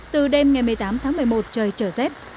từ đêm ngày một mươi tám tháng một mươi một trời trở rét